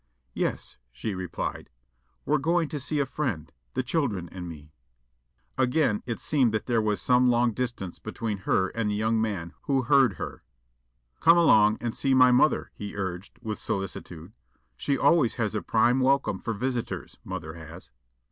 "Yes," she replied; "we're going to see a friend the children and me." Again it seemed that there was some long distance between her and the young man who heard her. "Come along and see my mother," he urged, with solicitude. "She always has a prime welcome for visitors, mother has."